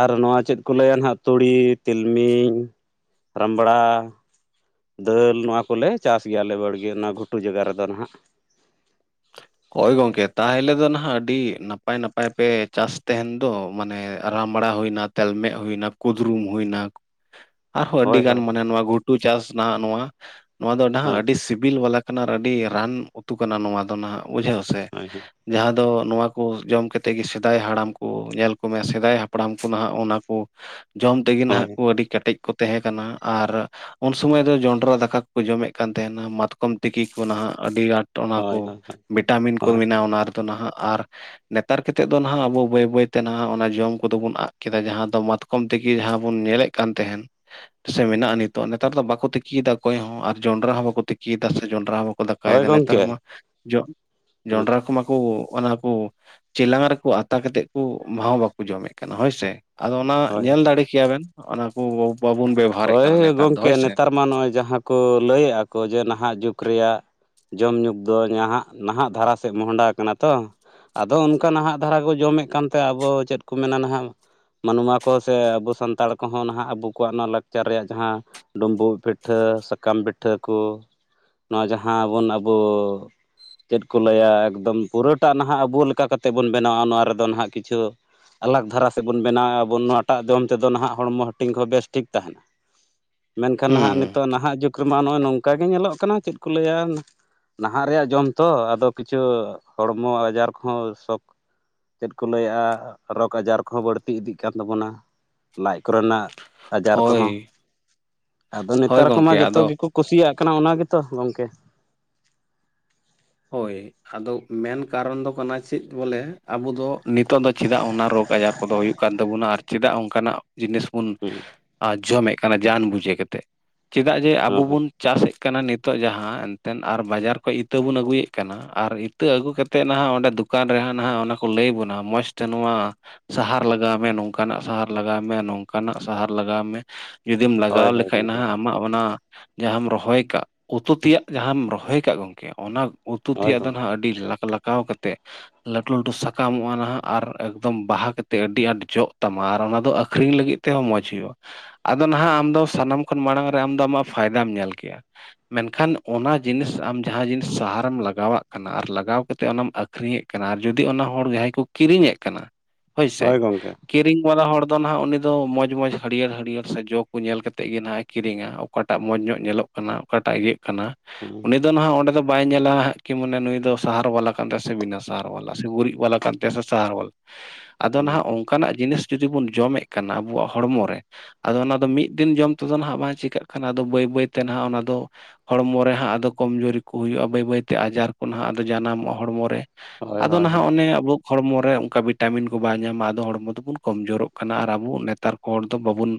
[SPEAKER 1] ᱟᱨᱚ ᱱᱚᱣᱟ ᱪᱮᱫ ᱠᱚ ᱞᱟᱹᱭᱟ ᱱᱟᱦᱟᱜ ᱛᱩᱲᱤ, ᱛᱤᱞᱢᱤᱧ, ᱨᱟᱢᱲᱟ ᱫᱟᱹᱞ ᱱᱚᱣᱟ ᱠᱚᱞᱮ ᱪᱟᱥ ᱜᱮᱭᱟᱞᱮ ᱵᱟᱹᱲᱜᱮᱹ ᱱᱚᱣᱟ ᱜᱷᱩᱴᱩ ᱡᱟᱭᱜᱟ ᱨᱮᱫᱚ ᱱᱟᱦᱟᱜ ᱾
[SPEAKER 2] ᱦᱳᱭ ᱜᱚᱝᱠᱮ ᱛᱟᱦᱚᱞᱮ ᱫᱚ ᱱᱟᱦᱟᱜ ᱟᱹᱰᱤ ᱱᱟᱯᱟᱭ ᱱᱟᱯᱟᱭ ᱯᱮ ᱪᱟᱥ ᱛᱮᱦᱮᱱ ᱾ ᱫᱚ ᱢᱟᱱᱮ ᱨᱟᱢᱲᱟ ᱦᱳᱭᱱᱟ ᱛᱮᱞᱢᱮᱜ ᱦᱳᱭᱱᱟ ᱠᱳᱫᱨᱩᱢ ᱦᱳᱭᱱᱟ
[SPEAKER 1] ᱯᱷᱟᱸᱠᱟ ᱜᱮᱭᱟ
[SPEAKER 2] ᱟᱨᱦᱚᱸ ᱟᱹᱰᱤ ᱜᱟᱱ ᱢᱟᱱᱮ ᱱᱚᱣᱟ ᱜᱷᱩᱴᱩ ᱪᱟᱥ ᱱᱟᱦᱟᱜ ᱱᱚᱣᱟ, ᱱᱚᱣᱟ ᱫᱚ ᱱᱟᱜ
[SPEAKER 1] ᱦᱳᱭ
[SPEAKER 2] ᱟᱹᱰᱤ ᱥᱤᱵᱤᱞ ᱵᱟᱞᱟ ᱱᱟ ᱟᱹᱰᱤ ᱨᱟᱱ ᱩᱛᱩ ᱠᱟᱱᱟ ᱱᱚᱣᱟ ᱫᱚ ᱱᱟᱦᱟᱜ ᱵᱩᱡᱷᱟᱹᱣ ᱥᱮ ᱾
[SPEAKER 1] ᱦᱚᱭ ᱦᱚᱭ ᱾
[SPEAKER 2] ᱡᱟᱦᱟᱸ ᱫᱚ ᱱᱚᱣᱟ ᱠᱚ ᱡᱚᱢ ᱠᱮᱛᱮᱫ ᱜᱮ ᱥᱮᱫᱟᱭ ᱦᱟᱲᱟᱢ ᱠᱚ ᱧᱮᱞ ᱠᱚᱢᱮ ᱥᱮᱫᱟᱭ ᱦᱟᱯᱲᱟᱢ ᱠᱚ ᱱᱟᱦᱟᱜ ᱚᱱᱟ ᱠᱚ ᱥᱟᱸᱜ, ᱡᱚᱢ ᱛᱮᱜᱮ
[SPEAKER 1] ᱦᱳᱭ
[SPEAKER 2] ᱱᱟᱦᱟᱜ ᱠᱚ ᱟᱹᱰᱤ ᱠᱮᱴᱮᱡ ᱠᱚ ᱛᱮᱦᱮᱸ ᱠᱟᱱᱟ ᱟᱨ ᱩᱱ ᱥᱚᱢᱚᱭ ᱫᱚ ᱡᱚᱸᱰᱨᱟ ᱫᱟᱠᱟ ᱠᱚᱠᱚ ᱡᱚᱢᱮᱫ ᱠᱟᱱ ᱛᱟᱦᱮᱱᱟ ᱢᱟᱛᱠᱚᱢ ᱛᱤᱠᱤ ᱠᱚ ᱱᱟᱦᱟᱜ ᱟᱹᱰᱤ ᱟᱸᱴ ᱾
[SPEAKER 1] ᱦᱚᱭ ᱦᱚᱴᱚᱜ ᱾
[SPEAKER 2] ᱵᱷᱤᱴᱟᱢᱤᱱ ᱠᱚ ᱢᱮᱱᱟ ᱚᱱᱟ ᱨᱮᱫᱚ ᱱᱟᱦᱟᱜ ᱟᱨ ᱱᱮᱛᱟᱨ ᱠᱮᱛᱮᱫ ᱫᱚ ᱱᱟᱦᱟᱜ ᱟᱵᱚ ᱵᱟᱹᱭ ᱵᱟᱹᱭᱛᱮ ᱱᱟᱦᱟᱜ ᱚᱱᱟ ᱡᱚᱢ ᱠᱚᱫᱚ ᱵᱚᱱ ᱟᱜ ᱠᱮᱫᱟ ᱡᱟᱦᱟᱸ ᱫᱚ ᱢᱟᱛ ᱠᱚᱢ ᱛᱮᱠᱮ ᱡᱟᱦᱟᱸ ᱵᱚᱱ ᱧᱮᱞᱮᱫ ᱠᱟᱱ ᱛᱮᱦᱮᱱ ᱥᱮ ᱢᱮᱱᱟᱜᱼᱟ ᱱᱤᱛᱳᱜ ᱱᱮᱛᱟᱨ ᱫᱚ ᱵᱟᱠᱚ ᱛᱤᱠᱤᱭᱮᱫᱟ ᱚᱠᱚᱭ ᱦᱚᱸ ᱟᱨ ᱡᱚᱸᱰᱨᱟ ᱦᱚᱸ ᱵᱟᱠᱚ ᱛᱤᱠᱤᱭᱮᱫᱟ ᱥᱮ ᱡᱚᱸᱰᱨᱟ, ᱟ ᱦᱚᱸ ᱵᱟᱠᱚ ᱫᱟᱠ
[SPEAKER 1] ᱦᱳᱭ
[SPEAKER 2] ᱠᱟᱭᱫᱟ ᱱᱮᱛᱟᱨ
[SPEAKER 1] ᱜᱚᱢᱠᱮ
[SPEAKER 2] ᱢᱟ ᱡᱚᱜ ᱡᱚᱱᱰᱨᱟ ᱠᱚᱢᱟ ᱠᱩ ᱚᱱᱟ ᱠᱚ ᱪᱮᱞᱟᱝ ᱨᱮᱠᱚ ᱟᱛᱟ ᱠᱟᱛᱮᱜ ᱠᱚ ᱵᱷᱟᱸᱣ ᱵᱟᱠᱚ ᱡᱚᱢᱮᱫ ᱠᱟᱱᱟ ᱦᱚᱭ ᱥᱮ ᱾ ᱟᱫᱚ ᱚᱱᱟ,
[SPEAKER 1] ᱦᱳᱭ
[SPEAKER 2] ᱧᱮᱞ ᱫᱟᱲᱮ ᱠᱮᱭᱟᱵᱮᱱ ᱚᱱᱟ ᱠᱚ ᱵᱟᱵᱩᱱ ᱵᱮᱵᱚᱦᱟᱨ
[SPEAKER 1] ᱦᱳᱭ ᱜᱚᱝᱠᱮ ᱱᱮᱛᱟᱨ ᱢᱟ ᱱᱚᱜᱼᱚᱭ ᱡᱟᱦᱟᱸ ᱠᱚ ᱞᱟᱹᱭᱮᱜᱼᱟ ᱠᱚ ᱡᱮ ᱱᱟᱦᱟᱸᱜ ᱡᱩᱜᱽ ᱨᱮᱭᱟᱜ ᱡᱚᱢ ᱧᱩᱜᱠ ᱫᱚ ᱧᱟᱦᱟᱜ ᱱᱟᱦᱟᱜ ᱫᱷᱟᱨᱟ ᱥᱮᱜ ᱢᱚᱦ-ᱰᱟ ᱠᱟᱱᱟ ᱛᱚ ᱟᱫᱚ ᱚᱱᱠᱟ ᱱᱟᱦᱟᱸᱜ ᱫᱷᱟᱨᱟ ᱠᱚ ᱡᱚᱢᱮᱜ ᱠᱟᱱᱛᱮ ᱟᱵᱚ ᱪᱮᱫ ᱠᱚ ᱢᱮᱱᱟ ᱱᱟᱦᱟᱸᱜ ᱢᱟᱱᱣᱟ ᱠᱚ ᱥᱮ ᱟᱵᱚ ᱥᱟᱱᱛᱟᱲ ᱠᱚᱦᱚᱸ ᱱᱟᱦᱟᱸᱜ ᱟᱵᱚ ᱠᱚᱣᱟᱜ ᱱᱚᱣᱟ ᱞᱟᱠ ᱪᱟᱨ ᱨᱮᱭᱟᱜ ᱡᱟᱦᱟᱸ ᱰᱩᱸᱢᱵᱩᱜ ᱯᱤᱴᱷᱟᱹ ᱥᱟᱠᱟᱢ ᱯᱤᱴᱷᱟᱹ ᱠᱚ ᱱᱚᱣᱟ ᱡᱟᱦᱟᱸᱦ ᱵᱚᱱ ᱟᱵᱳ ᱻ ᱪᱮᱫ ᱠᱚ ᱞᱟᱹᱭᱟ ᱮᱠᱫᱚᱢ ᱯᱩᱨᱟᱹᱴᱟ ᱱᱟᱦᱟᱸᱜ ᱟᱵᱳ ᱞᱮᱠᱟ ᱠᱟᱛᱮ ᱵᱚᱱ ᱵᱮᱱᱟᱣᱟ ᱱᱚᱣᱟ ᱨᱮᱫᱚ ᱱᱟᱦᱟᱸᱜ ᱠᱤᱪᱷᱩ ᱟᱞᱟᱜᱽ ᱫᱷᱟᱨᱟ ᱥᱮᱫ ᱵᱚᱱ ᱵᱮᱱᱟᱣ-ᱟᱼᱟᱵᱚᱱ ᱱᱚᱣᱟᱴᱟᱜ ᱚᱱ ᱛᱮᱫᱚ ᱱᱟᱦᱟᱜ ᱦᱚᱲᱢᱚ ᱦᱟᱹᱴᱤᱧ ᱠᱚ ᱵᱮᱹᱥᱴᱷᱤᱠ ᱛᱟᱦᱮᱱᱟ, ᱢᱮᱱᱠᱷᱟᱱ ᱱᱟᱦᱟᱸᱜ
[SPEAKER 2] ᱦᱩᱸ
[SPEAKER 1] ᱱᱤᱛᱚᱜ ᱱᱟᱦᱟᱸᱜ ᱡᱩᱜᱽ ᱨᱮᱢᱟ ᱱᱚᱜ-ᱚᱭ ᱱᱚᱝᱠᱟ ᱜᱮ ᱧᱮᱞᱚᱜ ᱠᱟᱱᱟ ᱪᱮᱫ ᱠᱚ ᱞᱟᱹᱭᱟ ᱱᱟᱦᱟᱜ ᱨᱮᱭᱟᱜ ᱡᱚᱢ ᱛᱚ ᱟᱫᱚ ᱠᱤᱪᱷᱩ ᱦᱚᱲᱢᱚ ᱟᱡᱟᱨ ᱠᱚᱦᱚᱸ ᱥᱚᱠᱷ ᱪᱮᱫ ᱠᱚ ᱞᱟᱹᱭᱟ ᱨᱳᱜᱽ ᱟᱡᱟᱨ ᱠᱚᱦᱚᱸ ᱵᱟᱹᱲᱛᱤ ᱤᱫᱤᱜ ᱠᱟᱱ ᱛᱟᱵᱚᱱᱟ ᱞᱟᱡ ᱠᱚᱨᱮᱱᱟᱜ ᱟᱡᱟᱨ ᱠᱚᱦᱚᱸ
[SPEAKER 2] ᱦᱳᱭ
[SPEAKER 1] [inaudible] ᱟᱫᱚ
[SPEAKER 2] ᱦᱳᱭ
[SPEAKER 1] ᱱᱮᱛᱟᱨ ᱠᱚᱢᱟ
[SPEAKER 2] ᱜᱚᱝᱠᱮ
[SPEAKER 1] ᱡᱚᱛᱚ
[SPEAKER 2] ᱟᱫᱚ
[SPEAKER 1] ᱜᱮᱠᱚ ᱠᱩᱥᱤᱭᱟᱜ ᱠᱟᱱᱟ ᱚᱱᱟ ᱜᱮᱛᱚ ᱜᱚᱢᱠᱮ᱾
[SPEAKER 2] ᱦᱳᱭ ᱟᱫᱚ ᱢᱮᱱ ᱠᱟᱨᱚᱱ ᱫᱚ ᱠᱟᱱᱟ ᱪᱮᱫ ᱵᱚᱞᱮ ᱟᱵᱚ ᱫᱚ ᱱᱤᱛᱚᱜ ᱫᱚ ᱪᱮᱫᱟᱜ ᱚᱱᱟ ᱨᱳᱜᱽ ᱟᱡᱟᱨ ᱠᱚᱫᱚ ᱦᱩᱭᱩᱜ ᱠᱟᱱ ᱛᱟᱵᱚᱱᱟ ᱟᱨ ᱪᱮᱫᱟᱜ ᱚᱱᱠᱟᱱᱟᱜ ᱡᱤᱱᱤᱥ ᱵᱚᱱ
[SPEAKER 1] ᱦᱮᱸ
[SPEAKER 2] ᱡᱚᱢᱮᱫ ᱠᱟᱱᱟ ᱡᱟᱱ ᱵᱩᱡᱷᱟᱹ ᱠᱟᱛᱮᱜ ᱪᱮᱫᱟᱜ ᱡᱮ ᱟᱵᱚ ᱵᱚᱱ- ᱪᱟᱥᱮᱫ ᱠᱟᱱᱟ ᱱᱤᱛᱚᱜ ᱡᱟᱦᱟᱸ ᱮᱱᱛᱮᱱ ᱟᱨ ᱵᱟᱡᱟᱨ ᱠᱷᱚᱱ ᱤᱛᱟᱹ ᱵᱚᱱ ᱟᱹᱜᱩ ᱟᱹᱜᱩᱭᱮᱫ ᱠᱟᱱᱟ ᱟᱨ ᱤᱛᱟᱹ ᱟᱹᱜᱩ ᱠᱟᱛᱮᱫ ᱱᱟᱦᱟᱜ ᱚᱸᱰᱮ ᱫᱚᱠᱟᱱ ᱨᱮᱦᱚᱸ ᱱᱟᱦᱟᱜ ᱚᱱᱟ ᱠᱚ ᱞᱟᱹᱭ ᱵᱚᱱᱟ ᱢᱚᱸᱡᱽ ᱛᱮ ᱱᱚᱣᱟ ᱥᱟᱦᱟᱨ ᱞᱟᱜᱟᱣ ᱢᱮ ᱱᱚᱝᱠᱟᱱᱟᱜ ᱥᱟᱦᱟᱨ ᱞᱟᱜᱟᱣ ᱢᱮ ᱱᱚᱝᱠᱟᱱᱟᱜ ᱥᱟᱦᱟᱨ ᱞᱟᱜᱟᱣ ᱢᱮ᱾ ᱡᱩᱫᱤᱢ
[SPEAKER 1] ᱦᱳᱭ ᱦᱳᱭ
[SPEAKER 2] ᱞᱟᱜᱟᱣ
[SPEAKER 1] ᱦᱳᱭ
[SPEAKER 2] ᱞᱮᱠᱷᱟᱡ
[SPEAKER 1] ᱜᱚᱢᱠᱮ
[SPEAKER 2] ᱱᱟᱦᱟᱜ ᱟᱢᱟᱜ ᱚᱱᱟ ᱡᱟᱦᱟᱢ ᱨᱚᱦᱚᱭ ᱟᱠᱟᱫ ᱩᱛᱩ ᱛᱮᱭᱟᱜ ᱡᱟᱦᱟᱢ ᱨᱚᱦᱚᱭ ᱟᱠᱟᱜ ᱜᱚᱢᱠᱮ ᱚᱱᱟ ᱩᱛᱩ
[SPEAKER 1] ᱦᱳᱭ
[SPEAKER 2] ᱛᱮᱭᱟᱜ ᱫᱚ
[SPEAKER 1] ᱜᱚᱢᱠᱮ
[SPEAKER 2] ᱱᱟᱦᱟᱜ ᱟᱹᱰᱤ ᱞᱟᱠ ᱞᱟᱠᱟᱣ ᱠᱟᱛᱮ ᱞᱟᱹᱴᱩ ᱞᱟᱹᱴᱩ ᱥᱟᱠᱟᱢᱚᱜ-ᱟ ᱱᱟᱦᱟᱜ ᱟᱨ ᱮᱠᱫᱚᱢ ᱵᱟᱦᱟ ᱠᱟᱛᱮᱫ ᱟᱹᱰᱤ ᱟᱸᱴ ᱡᱚᱜ ᱛᱟᱢᱟ ᱟᱨ ᱚᱱᱟ ᱫᱚ ᱟᱹᱠᱷᱨᱤᱧ ᱞᱟᱹᱜᱤᱫ ᱛᱮ ᱛᱮᱦᱚᱸ ᱢᱚᱸᱡᱽ ᱦᱩᱭᱩᱜ-ᱟ ᱟᱫᱚ ᱱᱟᱦᱟᱜ ᱟᱢ ᱫᱚ ᱥᱟᱱᱟᱢ ᱠᱷᱚᱱ ᱢᱟᱲᱟᱝ ᱨᱮ ᱟᱢ ᱟᱢᱟᱜ ᱯᱷᱟᱭᱫᱟᱢ ᱧᱮᱞ ᱠᱮᱜ-ᱟ, ᱢᱮᱱᱠᱷᱟᱱ ᱚᱱᱟ ᱡᱤᱱᱤᱥ ᱟᱢ ᱡᱟᱦᱟᱸ ᱡᱤᱱᱤᱥ ᱥᱟᱦᱟ ᱟᱢ ᱞᱟᱜᱟᱣᱟᱜ ᱠᱟᱱᱟ ᱟᱨ ᱞᱟᱜᱟᱣ ᱠᱟᱛᱮᱫ ᱚᱱᱟᱢ ᱟᱹᱠᱷᱨᱤᱧᱮᱫ ᱠᱟᱱᱟ ᱟᱨ ᱡᱩᱫᱤ ᱚᱱᱟ ᱦᱚᱲ ᱡᱟᱦᱟᱸᱭ ᱠᱚ ᱠᱤᱨᱤᱧᱮᱫ ᱠᱟᱱᱟ ᱦᱳᱭ ᱥᱮ ᱠᱤᱨᱤᱧ ᱵᱟᱞᱟ ᱦᱚᱲ ᱫᱚ ᱱᱟᱦᱟᱜ ᱩᱱᱤ ᱫᱚ ᱢᱚᱸᱡᱽ ᱢᱚᱸᱡᱽ ᱦᱟᱹᱨᱭᱟᱹᱲ ᱦᱟᱹᱨᱭᱟᱹᱲ ᱥᱮ ᱡᱚ ᱠᱚ ᱧᱮᱞ ᱠᱟᱛᱮᱫ ᱜᱮ ᱦᱟᱜ ᱮ ᱠᱤᱨᱤᱧᱟ, ᱚᱠᱟᱴᱟᱜ ᱢᱚᱸᱡᱽ ᱧᱚᱜ ᱧᱮᱞᱚᱜ ᱠᱟᱱᱟ ᱚᱠᱟᱴᱟᱜ ᱤᱭᱟᱹᱜ ᱠᱟᱱᱟ
[SPEAKER 1] ᱦᱮᱸ
[SPEAKER 2] ᱩᱱᱤ ᱫᱚ ᱱᱟᱦᱟᱜ ᱚᱸᱰᱮ ᱫᱚ ᱵᱟᱭ ᱧᱮᱞᱟ ᱦᱟᱸᱜ ᱠᱤ ᱢᱟᱱᱮ ᱱᱩᱭ ᱫᱚ ᱥᱟᱦᱟᱨ ᱵᱟᱞᱟ ᱠᱟᱱ ᱛᱟᱭᱟ ᱥᱮ ᱵᱤᱱᱟ ᱥᱟᱦᱟᱨ ᱵᱟᱞᱟ ᱥᱮ ᱜᱩᱨᱤᱡ ᱵᱟᱞᱟ ᱠᱟᱱ ᱛᱟᱭᱟ ᱥᱮ ᱥᱟᱦᱟᱨ ᱵᱟᱞᱟ
[SPEAKER 1] [inaudible]
[SPEAKER 2] ᱟᱫᱚ ᱱᱟᱦᱟᱜ ᱚᱱᱠᱟᱱᱟᱜ ᱡᱤᱱᱤᱥ ᱡᱩᱫᱤ ᱵᱚᱱ ᱡᱚᱢᱮᱫ ᱠᱟᱱᱟ ᱟᱵᱚᱣᱟᱜ ᱦᱚᱲᱢᱚ ᱨᱮ ᱟᱫᱚ ᱚᱱᱟ ᱫᱚ ᱢᱤᱫ ᱫᱤᱱ ᱡᱚᱢ ᱛᱮᱫᱚ ᱱᱟᱦᱟᱜ ᱵᱟᱝ ᱪᱤᱠᱟᱹᱜ ᱠᱟᱱᱟ ᱟᱫᱚ ᱵᱟᱹᱭ ᱵᱟᱹᱭᱛᱮ ᱱᱟᱦᱟᱜ ᱚᱱᱟᱫᱚ ᱦᱚᱲᱢᱚ ᱨᱮ ᱦᱟᱸᱜ ᱟᱫᱚ ᱠᱚᱢᱡᱩᱨᱤ ᱠᱚ ᱦᱩᱭᱩᱜ-ᱟ, ᱵᱟᱹᱭ ᱵᱟᱹᱭᱛᱮ ᱟᱡᱟᱨ ᱠᱚ ᱱᱟᱦᱟᱜ ᱟᱫᱚ ᱡᱟᱱᱟᱢᱚᱜ-ᱟ ᱦᱚᱲᱢᱚ ᱨᱮ
[SPEAKER 1] ᱦᱳᱭ
[SPEAKER 2] ᱟᱫᱚ
[SPEAKER 1] ᱦᱳᱭ
[SPEAKER 2] ᱱᱟᱦᱟᱜ ᱚᱱᱮ ᱟᱵᱚ ᱦᱚᱲᱢᱚᱨᱮ ᱚᱱᱠᱟ ᱵᱷᱤᱴᱟᱢᱤᱱ ᱠᱚ ᱵᱟᱭ ᱧᱟᱢᱟ ᱟᱫᱚ ᱦᱚᱲᱢᱚ ᱫᱚᱵᱚᱱ ᱠᱚᱢᱡᱳᱨᱚᱜ ᱠᱟᱱᱟ ᱟᱨ ᱟᱵᱚ ᱱᱮᱛᱟᱨ ᱠᱚ ᱦᱚᱲ ᱫᱚ ᱵᱟᱵᱚᱱ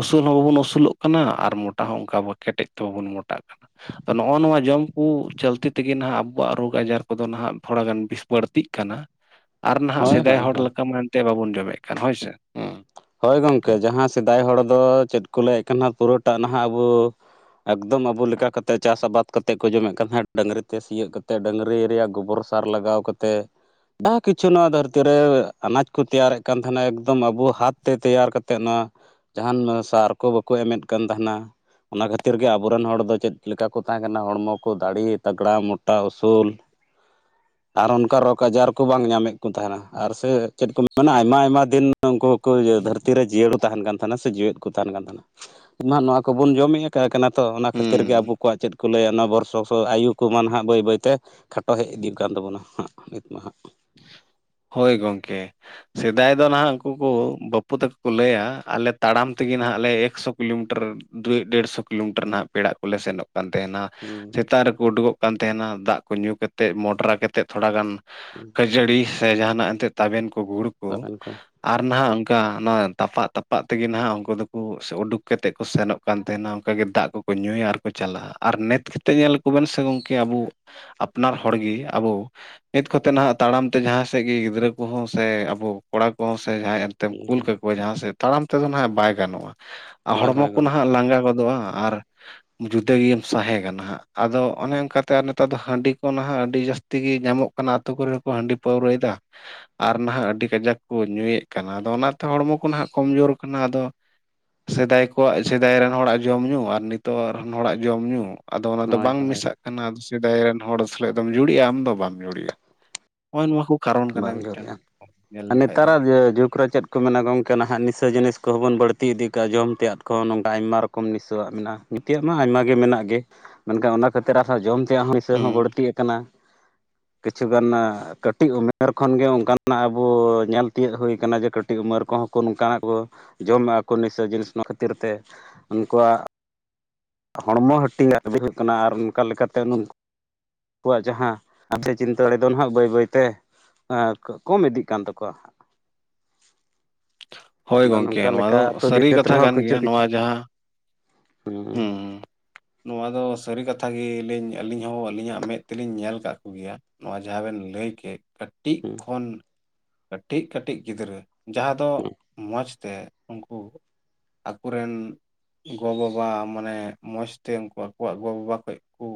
[SPEAKER 2] ᱩᱥᱩᱞ ᱦᱚᱸ ᱵᱟᱵᱚᱱ ᱩᱥᱩᱞᱚᱜ ᱠᱟᱱᱟ ᱟᱨ ᱢᱚᱴᱟ ᱦᱚᱸ ᱚᱱᱠᱟ ᱠᱮᱴᱮᱡ ᱛᱮ ᱵᱟᱵᱚᱱ ᱢᱚᱴᱟᱜ ᱠᱟᱱᱟ᱾ ᱛᱚ ᱱᱚᱜ-ᱚ ᱱᱚᱣᱟ ᱡᱚᱢ ᱠᱩ ᱪᱚᱞᱛᱮ ᱛᱮᱜᱮ ᱱᱟᱦᱟᱜ ᱟᱵᱚᱣᱟᱜ ᱨᱳᱜᱽ ᱟᱡᱟᱨ ᱠᱚᱫᱚ ᱱᱟᱦᱟᱜ ᱛᱷᱚᱲᱟᱜᱟᱱ ᱵᱤᱥ ᱵᱟᱹᱲᱛᱤᱜ ᱠᱟᱱᱟ᱾ ᱟᱨ ᱱᱟᱦᱟᱜ
[SPEAKER 1] ᱦᱳᱭ
[SPEAKER 2] ᱥᱮᱫᱟᱭ
[SPEAKER 1] ᱦᱳᱭ
[SPEAKER 2] ᱦᱚᱲ
[SPEAKER 1] ᱦᱳᱭ
[SPEAKER 2] ᱞᱮᱠᱟ ᱢᱟ ᱮᱱᱛᱮᱫ ᱵᱟᱵᱚᱱ ᱡᱚᱢᱮᱫ ᱠᱟᱱ ᱦᱳᱭᱥᱮ᱾
[SPEAKER 1] ᱦᱳᱭ ᱜᱚᱝᱠᱮ ᱡᱟᱦᱟᱸ ᱥᱮᱫᱟᱭ ᱦᱚᱲ ᱫᱚ ᱪᱮᱫ ᱠᱚ ᱞᱟᱹᱭᱮᱫ ᱠᱟᱱᱟ ᱯᱩᱨᱟᱹᱴᱟᱜ ᱱᱟᱦᱟᱜ ᱟᱵᱚ ᱮᱠᱫᱚᱢ ᱟᱵᱚ ᱞᱮᱠᱟ ᱠᱟᱛᱮᱫ ᱪᱟᱥ ᱟᱵᱟᱫ ᱠᱟᱛᱮᱫ ᱠᱚ ᱡᱚᱢᱮᱫ ᱠᱟᱱ ᱛᱟᱦᱮᱸᱫ ᱰᱟᱹᱝᱨᱤ ᱛᱮ ᱥᱤᱭᱳᱜ ᱠᱟᱛᱮ ᱰᱟᱹᱝᱨᱤ ᱨᱮᱭᱟᱜ ᱜᱚᱵᱚᱨ ᱥᱟᱨ ᱞᱟᱜᱟᱣ ᱠᱟᱛᱮᱫ, ᱟᱨ ᱠᱤᱪᱷᱩ ᱱᱚᱣᱟ ᱫᱷᱟᱹᱨᱛᱤ ᱨᱮ ᱟᱱᱟᱡᱽ ᱠᱚ ᱛᱮᱭᱟᱨᱮᱫ ᱠᱟᱱ ᱛᱟᱦᱮᱱᱟ ᱮᱠᱫᱚᱢ ᱟᱵᱚ ᱦᱟᱛ ᱛᱮ ᱛᱮᱭᱟᱨ ᱠᱟᱛᱮᱫ ᱱᱚᱣᱟ ᱡᱟᱦᱟᱱ ᱥᱟᱨ ᱠᱚ ᱵᱟᱠᱚ ᱮᱢᱮᱫ ᱠᱟᱱ ᱛᱟᱦᱮᱱᱟ, ᱚᱱᱟ ᱠᱷᱟᱹᱛᱤᱨ ᱜᱮ ᱟᱵᱚᱨᱮᱱ ᱦᱚᱲ ᱫᱚ ᱪᱮᱫ ᱞᱮᱠᱟ ᱠᱚ ᱛᱟᱦᱮᱸ ᱠᱟᱱᱟ ᱦᱚᱲᱢᱚ ᱠᱚ ᱫᱟᱲᱮ ᱛᱟᱜᱽᱲᱟ ᱢᱚᱴᱟ ᱩᱥᱩᱞ, [inaudible] ᱟᱨ ᱚᱱᱠᱟ ᱨᱳᱜᱽ ᱟᱡᱟᱨ ᱠᱚ ᱵᱟᱝ ᱧᱟᱢᱮᱫ ᱠᱚ ᱛᱟᱦᱮᱱᱟ ᱟᱨ ᱥᱮ ᱪᱮᱫ ᱠᱚ ᱢᱮᱱᱟ ᱟᱭᱢᱟ ᱟᱭᱢᱟ ᱫᱤᱱ ᱩᱱᱠᱩ ᱫᱷᱟᱹᱨᱛᱤ ᱨᱮ ᱡᱤᱭᱟᱹᱲ ᱠᱚ ᱛᱟᱦᱮᱱ ᱠᱟᱱ ᱛᱟᱦᱮᱱᱟ ᱥᱮ ᱡᱮᱣᱮᱫ ᱠᱚ ᱛᱟᱦᱮᱱ ᱠᱟᱱ ᱛᱟᱦᱮᱱᱟ ᱢᱟ ᱱᱚᱣᱟ ᱠᱚᱵᱚᱱ ᱡᱚᱢᱮᱫ-ᱟ, ᱛᱚ ᱚᱱᱟ ᱠᱷᱟᱹᱛᱤᱨ
[SPEAKER 2] ᱦᱩᱸ
[SPEAKER 1] ᱜᱮ ᱟᱵᱚ ᱠᱚᱣᱟᱜ ᱪᱮᱫ ᱠᱚ ᱞᱟᱹᱭᱟ ᱚᱱᱟ ᱵᱚᱨᱥᱚᱠᱥᱚ ᱟᱭᱩ ᱠᱩ ᱢᱟ ᱱᱟᱦᱟᱸᱜ ᱵᱟᱹᱭ ᱵᱟᱹᱭᱛᱮ ᱠᱷᱟᱴᱚ ᱦᱮᱡ ᱤᱫᱤᱠᱟᱱ ᱛᱟᱵᱚᱱᱟ ᱦᱟᱸᱜ ᱱᱤᱛᱢᱟ ᱦᱟᱸᱜ᱾
[SPEAKER 2] ᱦᱳᱭ ᱜᱚᱢᱠᱮ᱾ ᱥᱮᱫᱟᱭ ᱫᱚ ᱱᱟᱦᱟᱜ ᱩᱱᱠᱩ ᱠᱚ ᱵᱟᱹᱯᱩ ᱛᱟᱠᱚ ᱠᱚ ᱞᱟᱹᱭᱟ ᱟᱞᱮ ᱛᱟᱲᱟᱢ ᱛᱮᱜᱮ ᱱᱟᱦᱟᱜ ᱟᱞᱮ ᱮᱠᱥᱚ ᱠᱤᱞᱳᱢᱤᱴᱟᱨ ᱫᱩᱭ ᱰᱮᱲᱥᱚ ᱠᱤᱞᱳᱢᱤᱴᱟᱨ ᱱᱟᱦᱟᱜ ᱯᱮᱲᱟ ᱠᱚᱞᱮ ᱥᱮᱱᱚᱜ ᱠᱟᱱ ᱛᱟᱦᱮᱱᱟ
[SPEAKER 1] ᱦᱩᱸ
[SPEAKER 2] ᱥᱮᱛᱟᱜ ᱨᱮᱠᱚ ᱩᱰᱩᱠᱚᱜ ᱠᱟᱱ ᱛᱟᱦᱮᱱᱟ ᱫᱟᱜ ᱠᱚ ᱧᱩ ᱠᱟᱛᱮᱫ ᱢᱚᱰᱨᱟ ᱠᱟᱛᱮᱫ ᱛᱷᱚᱲᱟ ᱜᱟᱱ
[SPEAKER 1] ᱦᱩᱸ
[SPEAKER 2] ᱠᱷᱟᱹᱡᱟᱹᱲᱤ ᱥᱮ ᱡᱟᱦᱟᱱᱟᱜ ᱮᱱᱛᱮ ᱛᱟᱵᱮᱱ ᱠᱚ ᱜᱩᱲ ᱠᱩ
[SPEAKER 1] ᱛᱟᱵᱮᱱ ᱠᱚ
[SPEAKER 2] ᱟᱨ ᱱᱟᱦᱟᱜ ᱚᱱᱠᱟ ᱱᱚᱣᱟ ᱛᱟᱯᱟᱜ ᱛᱟᱯᱟᱜ ᱛᱮᱜᱮ ᱱᱟᱦᱟᱜ ᱩᱱᱠᱩ ᱫᱚᱠᱚ ᱩᱰᱩᱠ ᱠᱟᱛᱮᱫ ᱠᱚ ᱥᱮᱱᱚᱜ ᱠᱟᱱ ᱛᱟᱦᱮᱱᱟ ᱚᱱᱠᱟ ᱜᱮ ᱫᱟᱜ ᱠᱚᱠᱚ ᱧᱩᱭᱟ ᱟᱨᱠᱚ ᱪᱟᱞᱟᱜ-ᱟ, ᱟᱨ ᱱᱮᱛ ᱠᱟᱛᱮᱫ ᱧᱮᱞ ᱠᱚᱵᱮᱱ ᱥᱮ ᱜᱚᱢᱠᱮ ᱟᱵᱚ ᱟᱯᱱᱟᱨ ᱦᱚᱲᱜᱤ ᱟᱵᱚ ᱱᱮᱛ ᱠᱚᱛᱮ ᱱᱟᱦᱟᱜ ᱛᱟᱲᱟᱢ ᱛᱮ ᱡᱟᱦᱟᱸ ᱥᱮᱫ ᱜᱮ ᱜᱤᱫᱽᱨᱟᱹ ᱠᱚᱦᱚᱸ ᱥᱮ ᱟᱵᱚ ᱠᱚᱲᱟ ᱠᱚᱦᱚᱸ ᱥᱮ ᱡᱟᱦᱟᱸᱭ ᱮᱱᱛᱮᱢ ᱠᱩᱞ ᱠᱟᱠᱚᱣᱟ ᱡᱟᱦᱟᱸ ᱥᱮᱫ ᱛᱟᱲᱟᱢ ᱛᱮᱫᱚ ᱱᱟᱦᱟᱜ ᱵᱟᱭ ᱜᱟᱱᱚᱜ-ᱟ᱾
[SPEAKER 1] ᱦᱳᱭ
[SPEAKER 2] ᱦᱚᱲᱢᱚ
[SPEAKER 1] ᱦᱳᱭ
[SPEAKER 2] ᱠᱚ
[SPEAKER 1] ᱜᱚᱢᱠᱮ
[SPEAKER 2] ᱱᱟᱦᱟᱜ ᱞᱟᱸᱜᱟ ᱜᱚᱫᱚᱜ-ᱟ ᱟᱨ ᱡᱩᱫᱟᱹ ᱜᱮᱢ ᱥᱟᱦᱮᱜᱟ ᱱᱟᱦᱟᱜ ᱟᱫᱚ ᱚᱱᱮ ᱚᱱᱠᱟᱛᱮ ᱟᱨ ᱱᱮᱛᱟᱨ ᱫᱚ ᱦᱟᱺᱰᱤ ᱠᱚ ᱱᱟᱦᱟᱜ ᱟᱹᱰᱤ ᱡᱟᱹᱥᱛᱤ ᱜᱤ ᱧᱟᱢᱚᱜ ᱠᱟᱱᱟ ᱟᱛᱳ ᱠᱚᱨᱮ ᱦᱚᱸ ᱠᱚ ᱦᱟᱺᱰᱤ ᱯᱟᱹᱣᱨᱟᱹᱭ ᱫᱟ᱾ ᱟᱨ ᱱᱟᱦᱟᱜ ᱟᱹᱰᱤ ᱠᱟᱡᱟᱠ ᱠᱚ ᱧᱩᱭᱮᱫ ᱠᱟᱱᱟ ᱟᱫᱚ ᱚᱱᱟᱛᱮ ᱦᱚᱲᱢᱚ ᱠᱚ ᱱᱟᱦᱟᱜ ᱠᱚᱢᱡᱳᱨ ᱠᱟᱱᱟ ᱟᱫᱚ ᱥᱮᱫᱟᱭ ᱠᱚᱣᱟᱜ ᱥᱮᱫᱟᱭ ᱨᱮᱱ ᱦᱚᱲᱟᱜ ᱡᱚᱢ ᱧᱩ ᱟᱨ ᱱᱤᱛᱚᱜ ᱨᱮᱱ ᱦᱚᱲᱟᱜ ᱡᱚᱢ ᱧᱩ ᱟᱫᱚ ᱚᱱᱟ ᱫᱚ
[SPEAKER 1] ᱦᱳᱭ
[SPEAKER 2] ᱵᱟᱝ
[SPEAKER 1] ᱦᱳᱭ
[SPEAKER 2] ᱢᱮᱥᱟᱜ ᱠᱟᱱᱟ᱾ ᱟᱫᱚ ᱥᱮᱫᱟᱭ ᱨᱮᱱ ᱦᱚᱲ ᱥᱮᱞᱮᱜ ᱫᱚᱢ ᱡᱩᱲᱤᱜ-ᱟ, ᱟᱢ ᱫᱚ ᱵᱟᱢ ᱡᱩᱲᱤᱜ-ᱟ ᱱᱚᱜ-ᱚᱭ ᱱᱚᱣᱟ ᱠᱩ
[SPEAKER 1] ᱵᱟᱝ ᱡᱳᱨᱮ ᱟᱜ-ᱟ ᱟᱨ
[SPEAKER 2] ᱫᱚ
[SPEAKER 1] ᱱᱮᱛᱟᱨᱟᱜ ᱡᱩᱜᱽ ᱨᱮ ᱪᱮᱫ ᱠᱚ ᱢᱮᱱᱟ ᱜᱚᱢᱠᱮ ᱱᱟᱦᱟᱜ ᱱᱤᱥᱟᱹ ᱡᱤᱱᱤᱥ ᱠᱚᱦᱚᱸ ᱵᱚᱱ ᱵᱟᱹᱲᱛᱤ ᱤᱫᱤ ᱠᱟᱜ-ᱟ᱾ ᱡᱚᱢ ᱛᱮᱭᱟᱜ ᱠᱚ ᱱᱚᱝᱠᱟ ᱟᱭᱢᱟ ᱨᱚ- ᱠᱚᱢ ᱱᱤᱥᱟᱹᱣᱟᱜ ᱢᱮᱱᱟᱜ-ᱟ᱾ ᱱᱤᱛᱭᱟᱜ ᱢᱟ ᱟᱭᱢᱟ ᱜᱮ ᱢᱮᱱᱟᱜ ᱜᱮ ᱢᱮᱱᱠᱷᱟᱱ ᱚᱱᱟ ᱠᱷᱟᱹᱛᱤᱨ ᱟᱨ ᱦᱚᱸ ᱡᱚᱢ [inaudible] ᱦᱚᱸ
[SPEAKER 2] ᱦᱩᱸ
[SPEAKER 1] ᱵᱟᱹᱲᱛᱤ ᱟᱠᱟᱱᱟ᱾ ᱠᱤᱪᱷᱩᱜᱟᱱ ᱠᱟᱹᱴᱤᱡ ᱩᱢᱮᱨ ᱱᱮᱛᱟᱨ ᱠᱷᱚᱱ ᱜᱮ ᱚᱱᱠᱟᱱᱟᱜ ᱟᱵᱚ ᱧᱮᱞ ᱛᱤᱭᱳᱜ ᱦᱩᱭ ᱠᱟᱱᱟ ᱡᱮ ᱠᱟᱹᱴᱤᱡ ᱩᱢᱮᱨ ᱠᱚᱦᱚᱸ ᱠᱚ ᱱᱚᱝᱠᱟ ᱱᱟᱠᱚ᱾ ᱡᱚᱢᱮᱜ-ᱟ ᱠᱚ ᱱᱤᱥᱟᱹ ᱡᱤᱱᱤᱥ ᱱᱚᱣᱟ ᱠᱷᱟᱹᱛᱤᱨ ᱛᱮ ᱩᱱᱠᱩᱣᱟᱜ ᱦᱚᱲᱢᱚ ᱦᱟᱹᱴᱤᱧ ᱟᱜ [inaudible] ᱞᱮᱠᱟᱱᱟᱜ ᱟᱨ ᱚᱱᱠᱟ ᱞᱮᱠᱟᱛᱮ ᱟᱠᱚᱣᱟᱜ ᱡᱟᱦᱟᱸ ᱟᱫᱮ ᱪᱤᱱᱛᱟᱹ ᱟᱲᱮ ᱫᱚ ᱱᱟᱦᱟᱜ ᱵᱟᱹᱭ ᱵᱟᱹᱭ ᱛᱮ ᱠᱚᱢ ᱤᱫᱤᱜ ᱠᱟᱱ ᱛᱟᱠᱚᱣᱟ ᱦᱟᱸᱜ᱾
[SPEAKER 2] ᱦᱳᱭ
[SPEAKER 1] ᱟᱫᱚ
[SPEAKER 2] ᱜᱚᱝᱠᱮ
[SPEAKER 1] ᱱᱚᱝᱠᱟ
[SPEAKER 2] ᱱᱚᱣᱟ
[SPEAKER 1] ᱞᱮᱠᱟ
[SPEAKER 2] ᱫᱚ
[SPEAKER 1] ᱟᱹᱛᱩ
[SPEAKER 2] ᱥᱟᱹᱨᱤ
[SPEAKER 1] [inaudible]
[SPEAKER 2] ᱠᱟᱛᱷᱟ
[SPEAKER 1] ᱨᱮᱦᱚᱸ
[SPEAKER 2] ᱠᱟᱱ
[SPEAKER 1] ᱠᱤᱪᱷᱩ
[SPEAKER 2] ᱜᱮᱭᱟ
[SPEAKER 1] ᱠᱤᱪᱷᱩ
[SPEAKER 2] ᱱᱚᱣᱟ ᱡᱟᱦᱟᱸ
[SPEAKER 1] ᱦᱩᱸ
[SPEAKER 2] ᱱᱚᱣᱟ ᱫᱚ ᱥᱟᱹᱨᱤ ᱠᱟᱛᱷᱟ ᱜᱮᱞᱤᱧ ᱟᱹᱞᱤᱧ ᱦᱚᱸ ᱟᱹᱞᱤᱧᱟᱜ ᱢᱮᱫ ᱛᱮᱞᱤᱧ ᱧᱮᱞ ᱠᱟᱜ ᱠᱚᱜᱮᱭᱟ᱾ ᱱᱚᱣᱟ ᱡᱟᱦᱟᱸ ᱵᱮᱱ ᱞᱟᱹᱭ ᱠᱮᱫ᱾ ᱠᱟᱹᱴᱤᱡ
[SPEAKER 1] ᱦᱩᱸ
[SPEAKER 2] ᱠᱷᱚᱱ ᱠᱟᱹᱴᱤᱡ ᱠᱟᱹᱴᱤᱡ ᱜᱤᱫᱽᱨᱟᱹ ᱡᱟᱦᱟᱸ ᱫᱚ ᱢᱚᱡᱽ ᱛᱮ ᱩᱱᱠᱩ ᱟᱠᱚᱨᱮᱱ ᱜᱚ-ᱵᱟ- ᱵᱟ ᱢᱟᱱᱮ ᱢᱚᱡᱽ ᱛᱮ ᱩᱱᱠᱩ ᱟᱠᱚᱣᱟᱜ ᱜᱚ-ᱵᱟᱵᱟ ᱠᱷᱚᱡ ᱠᱩ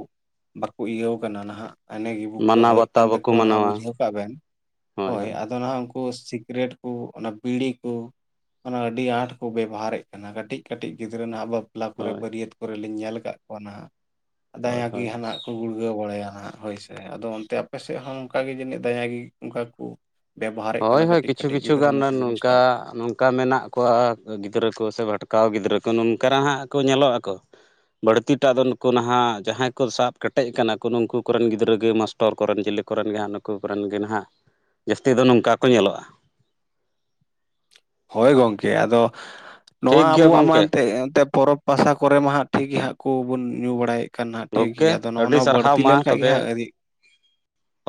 [SPEAKER 2] ᱵᱟᱠᱚ ᱤᱭᱟᱹᱣ ᱠᱟᱱᱟ ᱱᱟᱦᱟᱜ ᱦᱟᱱᱮ ᱜᱮ ᱵᱩᱠᱟᱹ
[SPEAKER 1] ᱢᱟᱱᱟᱣ
[SPEAKER 2] ᱦᱟᱣᱮᱫ
[SPEAKER 1] ᱵᱟᱛᱟᱣ
[SPEAKER 2] ᱠᱟᱱ
[SPEAKER 1] ᱵᱟᱠᱚ
[SPEAKER 2] ᱛᱟᱠᱚᱣᱟ ᱱᱟᱦᱟᱜ
[SPEAKER 1] ᱢᱟᱱᱟᱣᱟ
[SPEAKER 2] ᱵᱩᱡᱷᱟᱹᱣ ᱠᱟᱜ ᱵᱮᱱ᱾ ᱦᱳᱭ ᱟᱫᱚ ᱱᱟᱦᱟᱜ ᱠᱚ ᱥᱤᱠᱨᱮᱴ ᱠᱩ, ᱚᱱᱟ ᱵᱤᱲᱤ ᱠᱩ, ᱚᱱᱟ ᱟᱹᱰᱤ ᱟᱸᱴ ᱠᱚ ᱵᱮᱵᱚᱦᱟᱨᱮᱫ ᱠᱟᱱᱟ ᱠᱟᱹᱴᱤᱡ ᱠᱟᱹᱴᱤᱡ ᱜᱤᱫᱽᱨᱟᱹ ᱨᱮᱱᱟᱜ ᱟᱵᱚ ᱵᱟᱯᱞᱟ ᱠᱚᱨᱮ
[SPEAKER 1] ᱦᱳᱭ
[SPEAKER 2] ᱵᱟᱹᱨᱭᱟᱹᱛ ᱠᱚᱨᱮ ᱞᱤᱧ ᱧᱮᱞ ᱟᱠᱟᱫ ᱠᱚᱣᱟ ᱱᱟᱦᱟᱜ᱾
[SPEAKER 1] ᱦᱳᱭ
[SPEAKER 2] ᱫᱟᱭᱟ ᱜᱮ
[SPEAKER 1] ᱦᱳᱭ
[SPEAKER 2] ᱦᱟᱱᱟᱜ ᱜᱩᱲᱜᱟᱹᱣ ᱵᱟᱲᱟᱭᱟ ᱦᱟᱸᱜ ᱦᱳᱭ ᱥᱮ ᱟᱫᱚ ᱚᱱᱛᱮ ᱟᱯᱮ ᱥᱮᱫ ᱦᱚᱸ ᱚᱱᱠᱟᱜ ᱜᱮ ᱡᱟᱹᱱᱤᱡ ᱫᱟᱭᱟ ᱜᱮ ᱚᱱᱠᱟ ᱠᱩ᱾
[SPEAKER 1] ᱦᱳᱭ ᱦᱳᱭ ᱠᱤᱪᱷᱩ ᱠᱤᱪᱷᱩ ᱜᱟᱱ ᱱᱚᱝᱠᱟ
[SPEAKER 2] ᱡᱤᱱᱤᱥᱴᱟᱜ
[SPEAKER 1] ᱚᱱᱠᱟ ᱢᱮᱱᱟᱜ ᱠᱚᱣᱟ ᱜᱤᱫᱽᱨᱟᱹ ᱠᱚ ᱥᱮ ᱵᱷᱟᱴᱠᱟᱣ ᱜᱤᱫᱽᱨᱟᱹ ᱠᱚ ᱱᱚᱝᱠᱟ ᱦᱟᱸᱜ ᱠᱚ ᱧᱮᱞᱚᱜ ᱟᱠᱚ᱾ ᱵᱟᱹᱲᱛᱤ ᱴᱟᱜ ᱫᱚ ᱱᱩᱠᱩ ᱱᱟᱦᱟᱜ ᱡᱟᱦᱟᱸᱭ ᱠᱚ ᱥᱟᱵ ᱠᱮᱴᱮᱡ ᱠᱟᱱᱟ ᱠᱚ ᱱᱩᱠᱩ ᱠᱚᱨᱮᱱ ᱜᱤᱫᱽᱨᱟᱹ ᱜᱮ ᱢᱟᱥ- ᱥᱴᱚᱨ ᱠᱚᱨᱮᱱ ᱡᱤᱞᱤ ᱠᱚᱨᱮᱱ ᱡᱟᱦᱟᱸᱜ ᱱᱩᱠᱩ ᱠᱚᱨᱮᱱ ᱜᱮ ᱱᱟᱦᱟᱜ ᱡᱟᱹᱥᱛᱤ ᱫᱚ ᱱᱚᱝᱠᱟ ᱠᱚ ᱧᱮᱞᱚᱜ-ᱟ᱾
[SPEAKER 2] ᱦᱳᱭ ᱜᱚᱢᱠᱮ ᱟᱫᱚ
[SPEAKER 1] ᱴᱷᱤᱠ
[SPEAKER 2] ᱱᱚᱣᱟ
[SPEAKER 1] ᱜᱮᱭᱟ
[SPEAKER 2] ᱟᱵᱚᱣᱟᱜ ᱢᱟ
[SPEAKER 1] ᱜᱚᱢᱠᱮ
[SPEAKER 2] ᱮᱱᱛᱮᱫ ᱮᱱᱛᱮ ᱯᱚᱨᱚᱵᱽ ᱯᱟᱥᱟ ᱠᱚᱨᱮ ᱢᱟᱼᱦᱟᱸᱜ ᱴᱷᱤᱠ ᱜᱮ ᱦᱟᱸᱜ ᱠᱚ ᱵᱚᱱ ᱧᱩ ᱵᱟᱲᱟᱭ ᱮᱫ᱾ ᱠᱟᱱ ᱦᱟᱸᱜ ᱴᱷᱤᱠ
[SPEAKER 1] ᱜᱚᱢᱠᱮ
[SPEAKER 2] ᱜᱮᱭᱟ ᱟᱫᱚ ᱱᱚᱜ-ᱚ
[SPEAKER 1] ᱟᱹᱰᱤ
[SPEAKER 2] ᱱᱚᱣᱟ
[SPEAKER 1] ᱥᱟᱨᱦᱟᱣ
[SPEAKER 2] ᱵᱟᱹᱲᱛᱤ
[SPEAKER 1] ᱢᱟ
[SPEAKER 2] ᱞᱮᱱᱠᱟᱱ ᱜᱮ ᱦᱟᱸᱜ
[SPEAKER 1] ᱛᱚᱵᱮ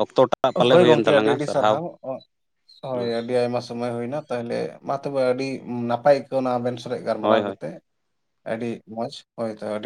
[SPEAKER 1] ᱚᱠᱛᱚ ᱴᱟᱜ ᱯᱟᱞᱮ
[SPEAKER 2] ᱦᱳᱭ
[SPEAKER 1] ᱦᱩᱭᱮᱱ
[SPEAKER 2] ᱜᱚᱝᱠᱮ ᱟᱹᱰᱤ
[SPEAKER 1] ᱛᱟᱞᱟᱝᱟ
[SPEAKER 2] ᱟᱹᱰᱤ ᱥᱟᱨᱦᱟᱣ
[SPEAKER 1] ᱢᱟ
[SPEAKER 2] ᱦᱳᱭ ᱟᱹᱰᱤ ᱟᱭᱢᱟ ᱥᱟᱨ- ᱥᱚᱢᱚᱭ ᱦᱩᱭᱱᱟ ᱛᱟᱦᱚᱞᱮ ᱢᱟ ᱛᱚᱵᱮ ᱟᱹᱰᱤ ᱱᱟᱯᱟᱭ ᱟᱹᱭᱠᱟᱹᱣᱱᱟ ᱟᱵᱮᱱ ᱥᱮᱡ
[SPEAKER 1] ᱦᱳᱭ
[SPEAKER 2] ᱜᱟᱞᱢᱟᱨᱟᱣ
[SPEAKER 1] ᱦᱳᱭ
[SPEAKER 2] ᱠᱟᱛᱮ᱾ ᱟᱹᱰᱤ ᱢᱚᱸᱡᱽ ᱦᱳᱭ ᱛᱚ ᱟᱹᱰᱤ